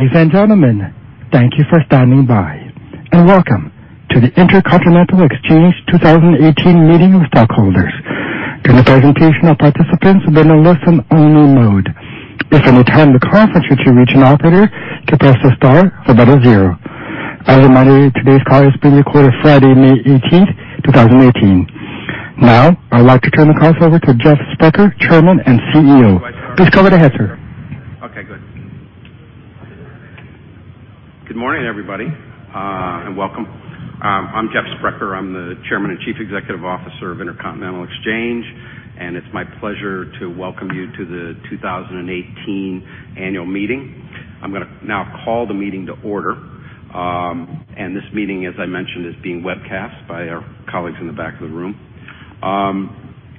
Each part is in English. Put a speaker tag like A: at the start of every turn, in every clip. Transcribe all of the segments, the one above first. A: Ladies and gentlemen, thank you for standing by, and welcome to the Intercontinental Exchange 2018 Meeting of Stockholders. During the presentation, all participants will be in a listen-only mode. If you need to attend the conference, you should reach an operator to press the star or dial 0. As a reminder, today's call is being recorded Friday, May 18th, 2018. I'd like to turn the call over to Jeff Sprecher, Chairman and CEO. Please go ahead, sir.
B: Okay, good. Good morning, everybody, and welcome. I'm Jeff Sprecher. I'm the Chairman and Chief Executive Officer of Intercontinental Exchange, and it's my pleasure to welcome you to the 2018 Annual Meeting. I'm going to now call the meeting to order. This meeting, as I mentioned, is being webcast by our colleagues in the back of the room.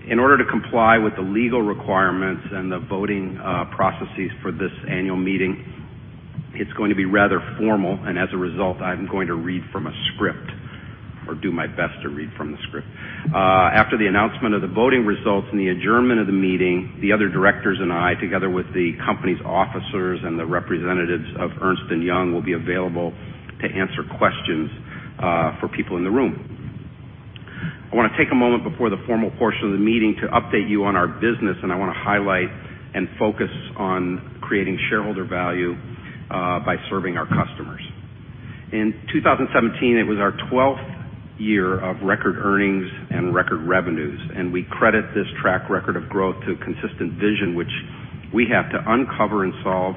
B: In order to comply with the legal requirements and the voting processes for this annual meeting, it's going to be rather formal, and as a result, I'm going to read from a script, or do my best to read from the script. After the announcement of the voting results and the adjournment of the meeting, the other directors and I, together with the company's officers and the representatives of Ernst & Young, will be available to answer questions for people in the room. I want to take a moment before the formal portion of the meeting to update you on our business, and I want to highlight and focus on creating shareholder value by serving our customers. In 2017, it was our 12th year of record earnings and record revenues, and we credit this track record of growth to a consistent vision, which we have to uncover and solve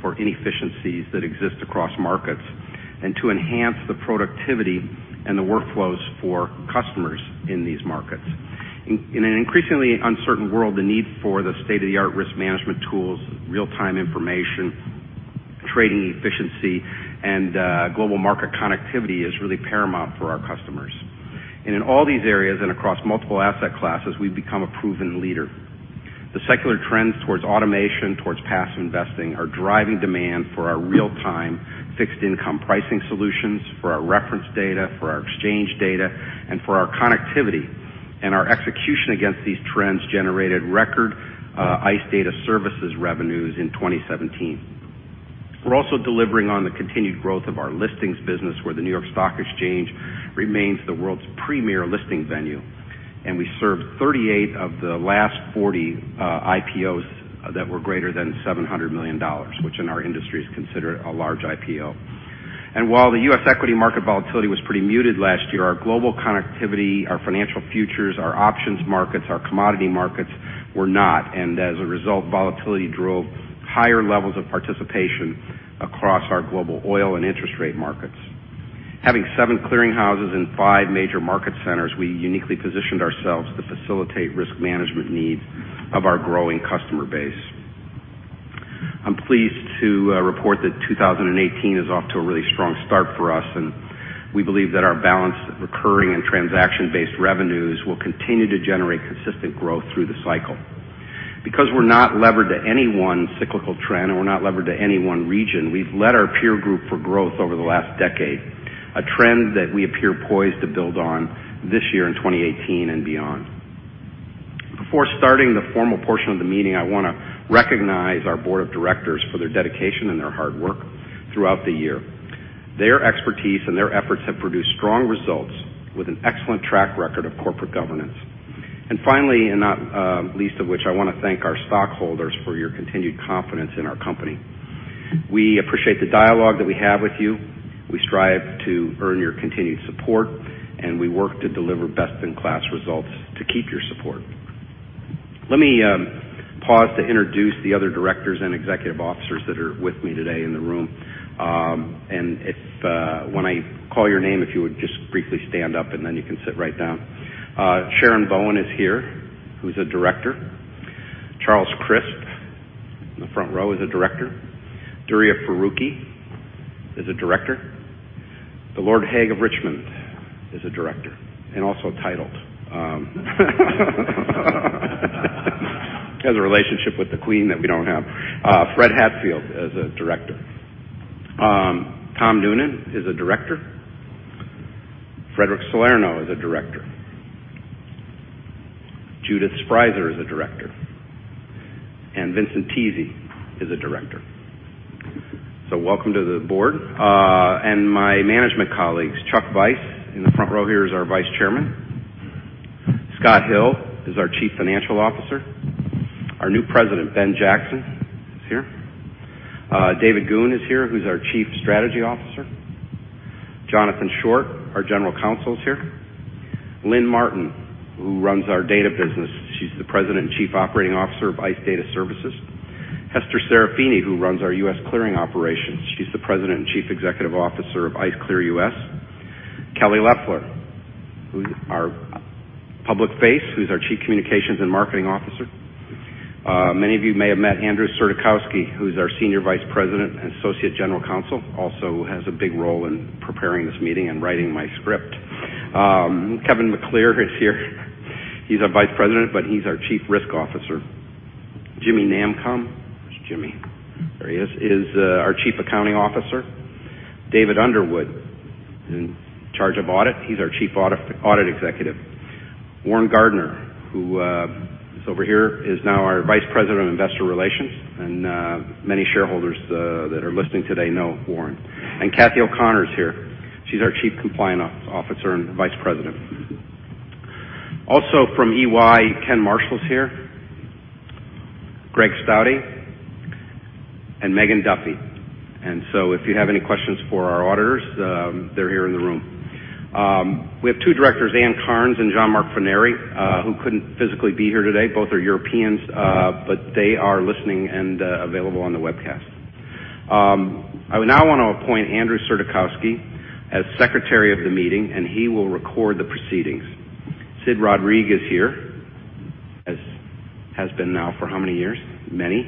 B: for inefficiencies that exist across markets and to enhance the productivity and the workflows for customers in these markets. In an increasingly uncertain world, the need for the state-of-the-art risk management tools, real-time information, trading efficiency, and global market connectivity is really paramount for our customers. In all these areas and across multiple asset classes, we've become a proven leader. The secular trends towards automation, towards passive investing, are driving demand for our real-time fixed income pricing solutions, for our reference data, for our exchange data, and for our connectivity. Our execution against these trends generated record ICE Data Services revenues in 2017. We're also delivering on the continued growth of our listings business, where the New York Stock Exchange remains the world's premier listing venue, and we served 38 of the last 40 IPOs that were greater than $700 million, which in our industry is considered a large IPO. While the U.S. equity market volatility was pretty muted last year, our global connectivity, our financial futures, our options markets, our commodity markets were not, and as a result, volatility drove higher levels of participation across our global oil and interest rate markets. Having seven clearing houses in five major market centers, we uniquely positioned ourselves to facilitate risk management needs of our growing customer base. I am pleased to report that 2018 is off to a really strong start for us, and we believe that our balanced recurring and transaction-based revenues will continue to generate consistent growth through the cycle. Because we are not levered to any one cyclical trend and we are not levered to any one region, we have led our peer group for growth over the last decade, a trend that we appear poised to build on this year in 2018 and beyond. Before starting the formal portion of the meeting, I want to recognize our board of directors for their dedication and their hard work throughout the year. Their expertise and their efforts have produced strong results with an excellent track record of corporate governance. Finally, and not least of which, I want to thank our stockholders for your continued confidence in our company. We appreciate the dialogue that we have with you. We strive to earn your continued support, and we work to deliver best-in-class results to keep your support. Let me pause to introduce the other directors and executive officers that are with me today in the room. When I call your name, if you would just briefly stand up, and then you can sit right down. Sharon Bowen is here, who is a director. Charles Crisp in the front row is a director. Duriya Farooqui is a director. The Lord Hague of Richmond is a director and also titled. He has a relationship with the Queen that we do not have. Fred Hatfield is a director. Tom Noonan is a director. Frederic Salerno is a director. Judith Sprieser is a director. Vincent Tese is a director. Welcome to the board. My management colleagues, Chuck Vice in the front row here is our Vice Chairman. Scott Hill is our Chief Financial Officer. Our new President, Ben Jackson, is here. David Goone is here, who is our Chief Strategy Officer. Johnathan Short, our General Counsel, is here. Lynn Martin, who runs our data business. She is the President and Chief Operating Officer of ICE Data Services. Hester Serafini, who runs our U.S. clearing operations. She is the President and Chief Executive Officer of ICE Clear U.S. Kelly Loeffler, our public face, who is our Chief Communications and Marketing Officer. Many of you may have met Andrew Surdykowski, who is our Senior Vice President and Associate General Counsel, also has a big role in preparing this meeting and writing my script. Kevin McClear is here. He is our Vice President, but he is our Chief Risk Officer. Jimmy Namkung. Where is Jimmy? There he is our Chief Accounting Officer. David Underwood, who is in charge of audit. He is our Chief Audit Executive. Warren Gardiner, who is over here, is now our Vice President of Investor Relations. Many shareholders that are listening today know Warren. Cathy O'Connor is here. She is our Chief Compliance Officer and Vice President. Also from EY, Ken Marshall is here, Greg Staudte, and Megan Duffy. If you have any questions for our auditors, they are here in the room. We have two directors, Anne Carnes and Jean-Marc Forneri, who could not physically be here today. Both are Europeans, but they are listening and available on the webcast. I now want to appoint Andrew Surdykowski as Secretary of the meeting, and he will record the proceedings. Sid Rodrigue is here, as has been now for how many years? Many,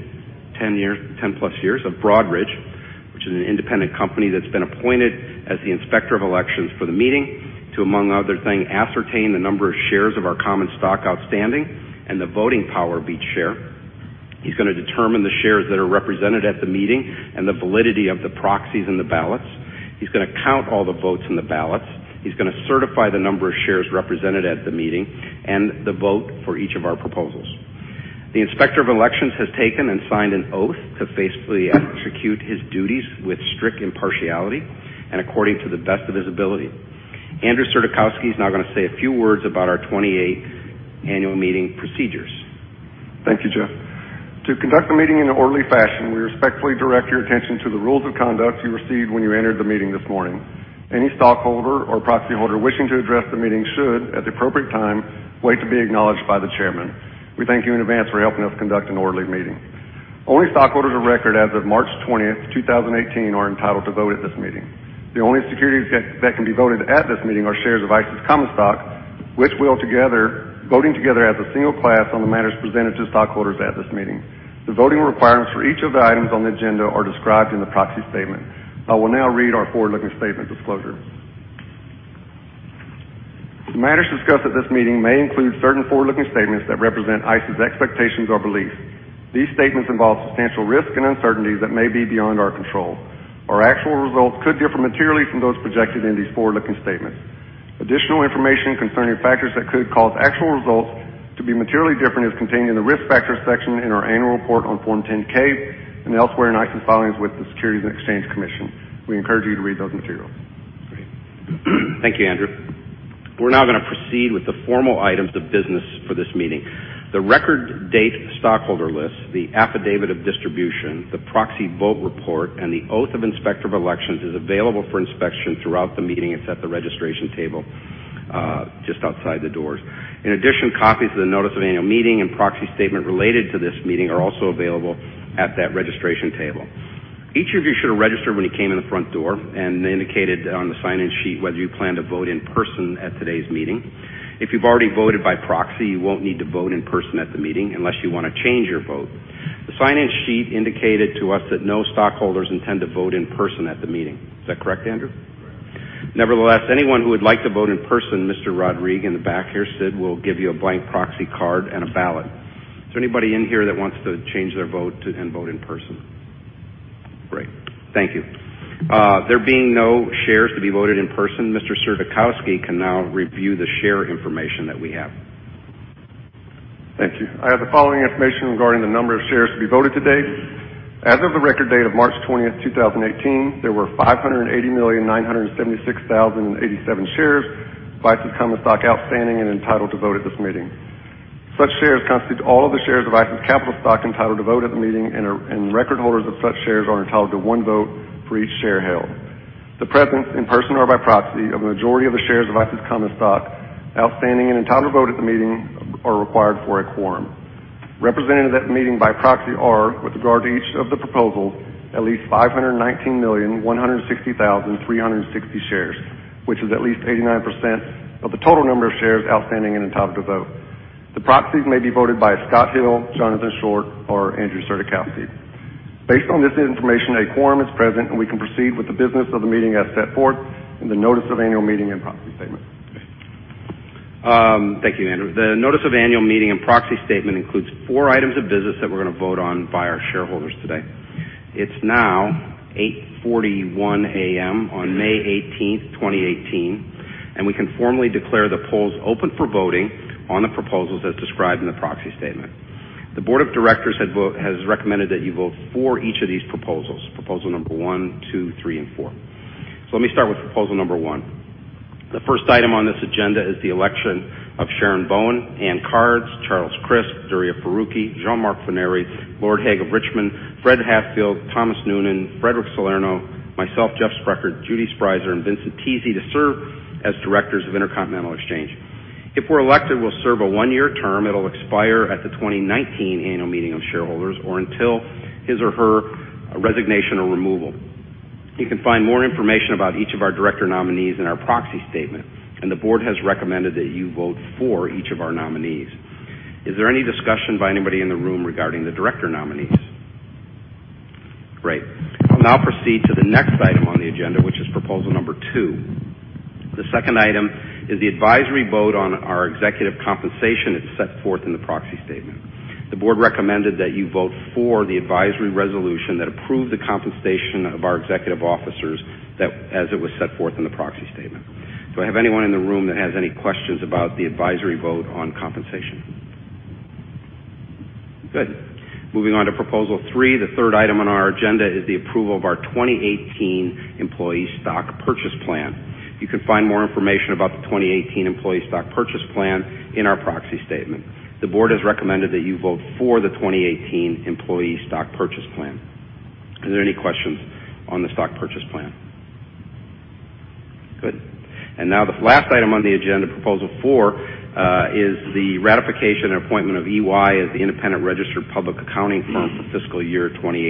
B: 10-plus years of Broadridge, which is an independent company that has been appointed as the Inspector of Elections for the meeting to, among other things, ascertain the number of shares of our common stock outstanding and the voting power of each share. He is going to determine the shares that are represented at the meeting and the validity of the proxies and the ballots. He is going to count all the votes in the ballots. He is going to certify the number of shares represented at the meeting and the vote for each of our proposals. The Inspector of Elections has taken and signed an oath to faithfully execute his duties with strict impartiality and according to the best of his ability. Andrew Surdykowski is now going to say a few words about our 28th Annual Meeting procedures.
C: Thank you, Jeff. To conduct the meeting in an orderly fashion, we respectfully direct your attention to the rules of conduct you received when you entered the meeting this morning. Any stockholder or proxy holder wishing to address the meeting should, at the appropriate time, wait to be acknowledged by the chairman. We thank you in advance for helping us conduct an orderly meeting. Only stockholders of record as of March 20th, 2018, are entitled to vote at this meeting. The only securities that can be voted at this meeting are shares of ICE's common stock, which will, voting together as a single class on the matters presented to stockholders at this meeting. The voting requirements for each of the items on the agenda are described in the proxy statement. I will now read our forward-looking statement disclosure. The matters discussed at this meeting may include certain forward-looking statements that represent ICE's expectations or beliefs. These statements involve substantial risks and uncertainties that may be beyond our control. Our actual results could differ materially from those projected in these forward-looking statements. Additional information concerning factors that could cause actual results to be materially different is contained in the Risk Factors section in our annual report on Form 10-K and elsewhere in ICE's filings with the Securities and Exchange Commission. We encourage you to read those materials.
B: Great. Thank you, Andrew. We are now going to proceed with the formal items of business for this meeting. The record date stockholder list, the affidavit of distribution, the proxy vote report, and the Oath of Inspector of Elections is available for inspection throughout the meeting. It is at the registration table just outside the doors. In addition, copies of the notice of Annual Meeting and proxy statement related to this meeting are also available at that registration table. Each of you should have registered when you came in the front door and indicated on the sign-in sheet whether you plan to vote in person at today's meeting. If you have already voted by proxy, you will not need to vote in person at the meeting unless you want to change your vote. The sign-in sheet indicated to us that no stockholders intend to vote in person at the meeting. Is that correct, Andrew?
C: Correct.
B: Nevertheless, anyone who would like to vote in person, Mr. Rodrigue in the back here, Sid, will give you a blank proxy card and a ballot. Is there anybody in here that wants to change their vote and vote in person? Great. Thank you. There being no shares to be voted in person, Mr. Surdykowski can now review the share information that we have.
C: Thank you. I have the following information regarding the number of shares to be voted today. As of the record date of March 20th, 2018, there were 580,976,087 shares of ICE's common stock outstanding and entitled to vote at this meeting. Such shares constitute all of the shares of ICE's capital stock entitled to vote at the meeting, and record holders of such shares are entitled to one vote for each share held. The presence in person or by proxy of a majority of the shares of ICE's common stock outstanding and entitled to vote at the meeting are required for a quorum. Represented at the meeting by proxy are, with regard to each of the proposals, at least 519,160,360 shares, which is at least 89% of the total number of shares outstanding and entitled to vote. The proxies may be voted by Scott Hill, Johnathan Short, or Andrew Surdykowski. Based on this information, a quorum is present, and we can proceed with the business of the meeting as set forth in the notice of annual meeting and proxy statement.
B: Thank you, Andrew. The notice of annual meeting and proxy statement includes four items of business that we're going to vote on by our shareholders today. It's now 8:41 A.M. on May 18th, 2018, and we can formally declare the polls open for voting on the proposals as described in the proxy statement. The board of directors has recommended that you vote for each of these proposals, proposal number one, two, three, and four. So let me start with proposal number one. The first item on this agenda is the election of Sharon Bowen, Anne Carnes, Charles Crisp, Duriya Farooqui, Jean-Marc Forneri, Lord Hague of Richmond, Fred Hatfield, Thomas Noonan, Frederic Salerno, myself, Jeff Sprecher, Judy Sprieser, and Vincent Tese to serve as directors of Intercontinental Exchange. If we're elected, we'll serve a one-year term. It'll expire at the 2019 annual meeting of shareholders or until his or her resignation or removal. You can find more information about each of our director nominees in our proxy statement. The board has recommended that you vote for each of our nominees. Is there any discussion by anybody in the room regarding the director nominees? Great. I'll now proceed to the next item on the agenda, which is Proposal two. The second item is the advisory vote on our executive compensation as set forth in the proxy statement. The board recommended that you vote for the advisory resolution that approved the compensation of our executive officers as it was set forth in the proxy statement. Do I have anyone in the room that has any questions about the advisory vote on compensation? Good. Moving on to Proposal three, the third item on our agenda is the approval of our 2018 employee stock purchase plan. You can find more information about the 2018 employee stock purchase plan in our proxy statement. The board has recommended that you vote for the 2018 employee stock purchase plan. Are there any questions on the stock purchase plan? Good. Now the last item on the agenda, Proposal four is the ratification and appointment of EY as the independent registered public accounting firm for fiscal year 2018.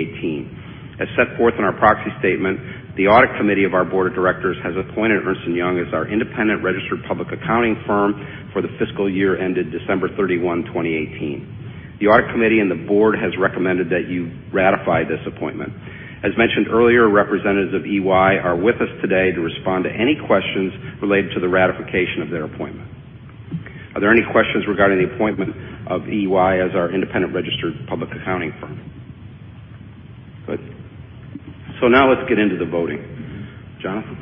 B: As set forth in our proxy statement, the audit committee of our board of directors has appointed Ernst & Young as our independent registered public accounting firm for the fiscal year ended December 31, 2018. The audit committee and the board has recommended that you ratify this appointment. As mentioned earlier, representatives of EY are with us today to respond to any questions related to the ratification of their appointment. Are there any questions regarding the appointment of EY as our independent registered public accounting firm? Good. Now let's get into the voting. Johnathan?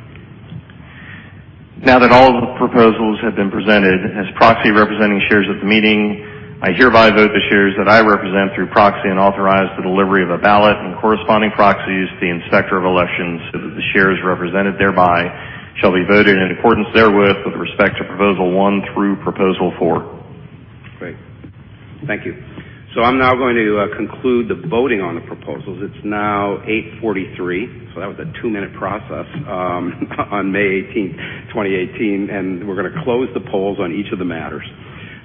D: Now that all of the proposals have been presented as proxy representing shares at the meeting, I hereby vote the shares that I represent through proxy and authorize the delivery of a ballot and corresponding proxies to the Inspector of Elections, so that the shares represented thereby shall be voted in accordance therewith with respect to Proposal one through Proposal four.
B: Great. Thank you. I'm now going to conclude the voting on the proposals. It is now 8:43, that was a 2-minute process on May 18, 2018, and we are going to close the polls on each of the matters.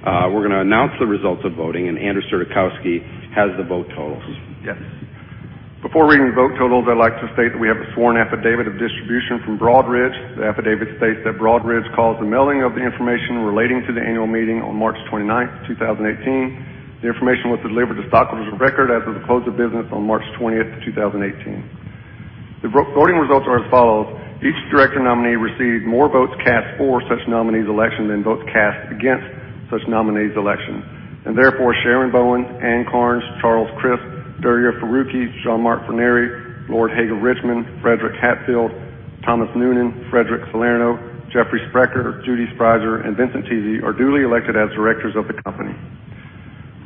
B: We are going to announce the results of voting, and Andrew Surdykowski has the vote totals.
C: Yes. Before reading the vote totals, I would like to state that we have a sworn affidavit of distribution from Broadridge. The affidavit states that Broadridge calls the mailing of the information relating to the annual meeting on March 29, 2018. The information was delivered to stockholders of record as of the close of business on March 20, 2018. The voting results are as follows. Each director nominee received more votes cast for such nominee's election than votes cast against such nominee's election. Therefore, Sharon Bowen, Anne Carnes, Charles Crisp, Duriya Farooqui, Jean-Marc Forneri, Lord Hague of Richmond, Frederick Hatfield, Thomas Noonan, Frederic Salerno, Jeffrey Sprecher, Judy Sprieser, and Vincent Tese are duly elected as directors of the company.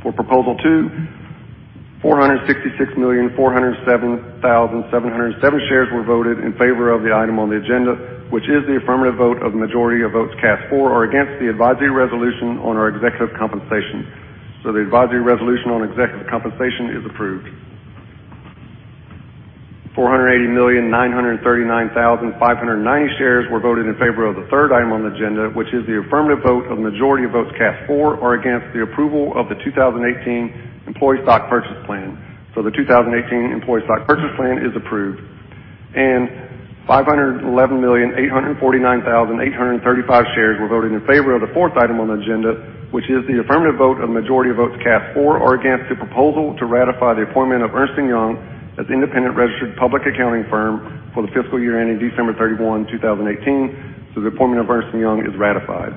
C: For Proposal 2, 466,407,707 shares were voted in favor of the item on the agenda, which is the affirmative vote of the majority of votes cast for or against the advisory resolution on our executive compensation. The advisory resolution on executive compensation is approved. 480,939,590 shares were voted in favor of the 3rd item on the agenda, which is the affirmative vote of the majority of votes cast for or against the approval of the 2018 employee stock purchase plan. The 2018 employee stock purchase plan is approved. 511,849,835 shares were voted in favor of the 4th item on the agenda, which is the affirmative vote of the majority of votes cast for or against the proposal to ratify the appointment of Ernst & Young as the independent registered public accounting firm for the fiscal year ending December 31, 2018. The appointment of Ernst & Young is ratified.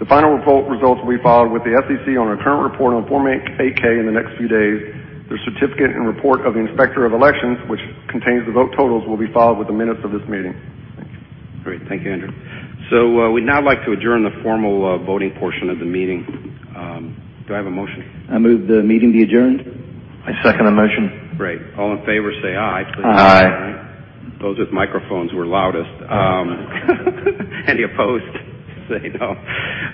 C: The final results will be filed with the SEC on our current report on Form 8-K in the next few days. The certificate and report of the Inspector of Elections, which contains the vote totals, will be filed with the minutes of this meeting.
B: Great. Thank you, Andrew. We'd now like to adjourn the formal voting portion of the meeting. Do I have a motion?
E: I move the meeting be adjourned.
D: I second the motion.
B: Great. All in favor say aye.
D: Aye.
B: Those with microphones were loudest. Any opposed say no.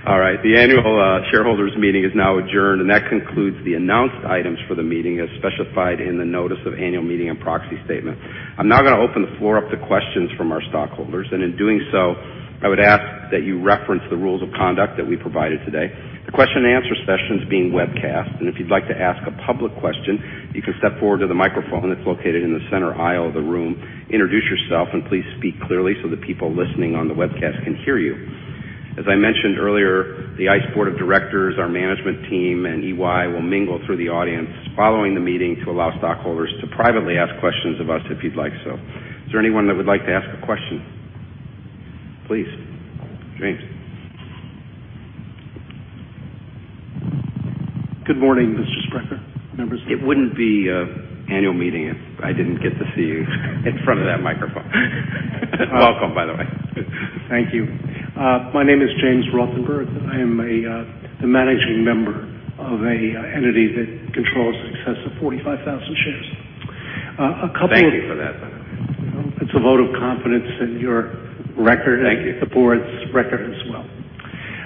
B: All right. The annual shareholders meeting is now adjourned, and that concludes the announced items for the meeting as specified in the notice of annual meeting and proxy statement. I'm now going to open the floor up to questions from our stockholders, and in doing so, I would ask that you reference the rules of conduct that we provided today. The question and answer session is being webcast. If you'd like to ask a public question, you can step forward to the microphone that's located in the center aisle of the room. Introduce yourself, and please speak clearly so the people listening on the webcast can hear you. As I mentioned earlier, the ICE board of directors, our management team, and EY will mingle through the audience following the meeting to allow stockholders to privately ask questions of us if you'd like so. Is there anyone that would like to ask a question? Please. James.
E: Good morning, Mr. Sprecher.
B: It wouldn't be an annual meeting if I didn't get to see you in front of that microphone. Welcome, by the way.
E: Thank you. My name is James Rothenberg, and I am the managing member of an entity that controls in excess of 45,000 shares.
B: Thank you for that, by the way.
E: It's a vote of confidence in your record.
B: Thank you.
E: The board's record as well.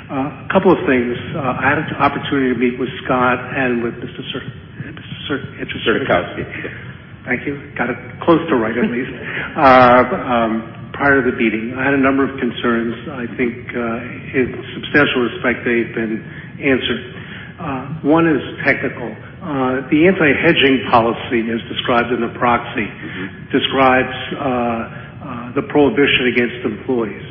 E: A couple of things. I had an opportunity to meet with Scott and with Mr. Sert-
B: Surdykowski.
E: Thank you. Got it close to right, at least. Prior to the meeting, I had a number of concerns. I think in substantial respect, they've been answered. One is technical. The anti-hedging policy, as described in the proxy, describes the prohibition against employees.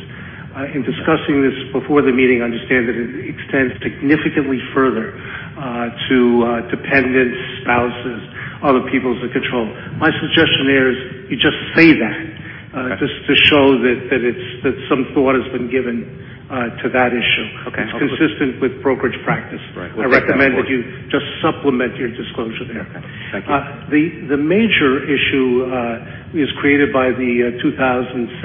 E: In discussing this before the meeting, I understand that it extends significantly further to dependents, spouses, other peoples that control. My suggestion is you just say that just to show that some thought has been given to that issue.
B: Okay.
E: It's consistent with brokerage practice.
B: Right. We'll take that on board.
E: I recommend you just supplement your disclosure there.
B: Okay. Thank you.
E: The major issue is created by the 2017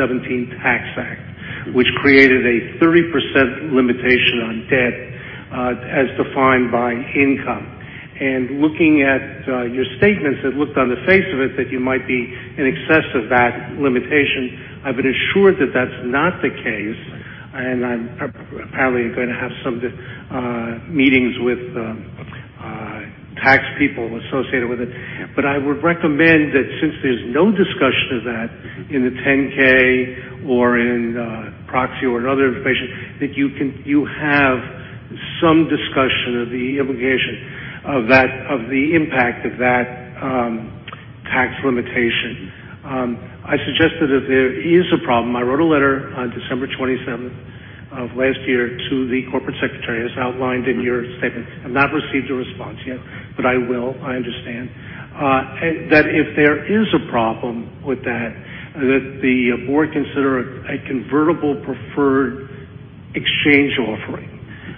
E: Tax Act, which created a 30% limitation on debt as defined by income. Looking at your statements, it looked on the face of it that you might be in excess of that limitation. I've been assured that that's not the case, and I'm apparently going to have some meetings with tax people associated with it. I would recommend that since there's no discussion of that in the 10-K or in proxy or in other information, that you have some discussion of the impact of that tax limitation. I suggested that there is a problem. I wrote a letter on December 27th of last year to the corporate secretary, as outlined in your statement. I've not received a response yet, but I will, I understand. That if there is a problem with that the board consider a convertible preferred exchange offering,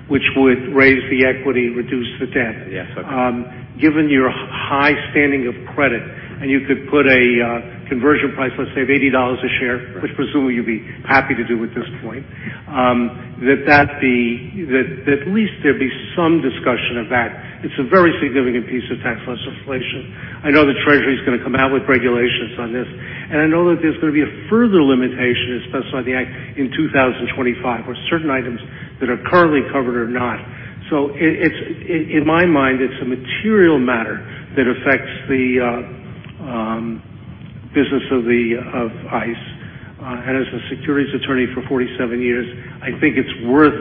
E: which would raise the equity, reduce the debt.
B: Yes, okay.
E: Given your high standing of credit, you could put a conversion price, let's say, of $80 a share.
B: Right.
E: Which presumably you'd be happy to do at this point. That at least there'd be some discussion of that. It's a very significant piece of tax legislation. I know the Treasury's going to come out with regulations on this, I know that there's going to be a further limitation, as specified in the Act, in 2025 where certain items that are currently covered are not. In my mind, it's a material matter that affects the business of ICE. As a securities attorney for 47 years, I think it's worth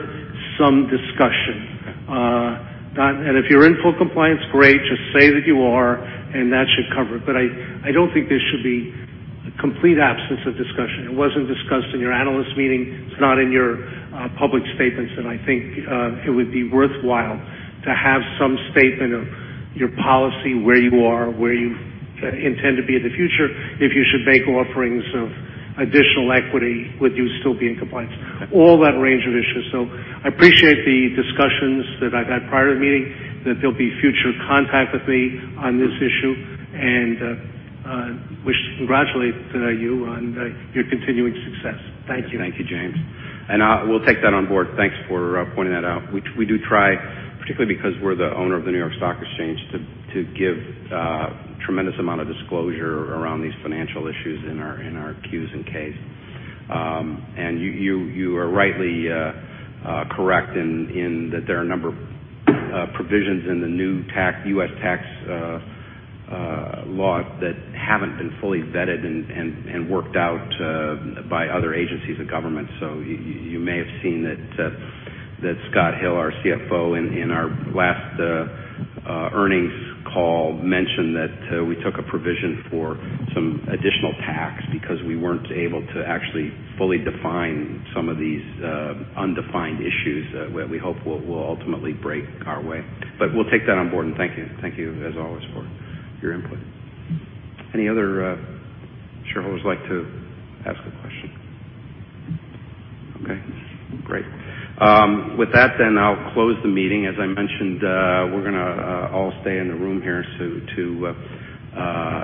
E: some discussion.
B: Okay.
E: If you're in full compliance, great, just say that you are, and that should cover it. I don't think there should be a complete absence of discussion. It wasn't discussed in your analyst meeting, it's not in your public statements, and I think it would be worthwhile to have some statement of your policy, where you are, where you intend to be in the future. If you should make offerings of additional equity, would you still be in compliance?
B: Okay.
E: All that range of issues. I appreciate the discussions that I've had prior to the meeting, that there'll be future contact with me on this issue, and congratulate you on your continuing success. Thank you.
B: Thank you, James. We'll take that on board. Thanks for pointing that out. We do try, particularly because we're the owner of the New York Stock Exchange, to give a tremendous amount of disclosure around these financial issues in our Qs and Ks. You are rightly correct in that there are a number of provisions in the new U.S. tax law that haven't been fully vetted and worked out by other agencies of government. You may have seen that Scott Hill, our CFO, in our last earnings call, mentioned that we took a provision for some additional tax because we weren't able to actually fully define some of these undefined issues, that we hope will ultimately break our way. We'll take that on board, and thank you. Thank you as always for your input. Any other shareholders who'd like to ask a question? Okay, great. With that, I'll close the meeting. As I mentioned, we're going to all stay in the room here to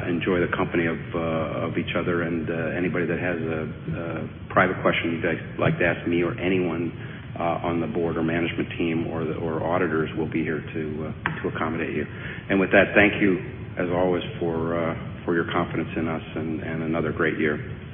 B: enjoy the company of each other. Anybody that has a private question you'd like to ask me or anyone on the board or management team or auditors, we'll be here to accommodate you. With that, thank you as always for your confidence in us and another great year. Thanks.